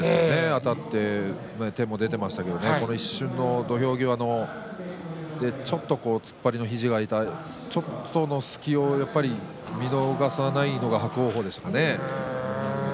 あたって手も出ていましたけど土俵際のちょっと突っ張りの肘が開いたちょっとの隙を見逃さないのが伯桜鵬でしたね。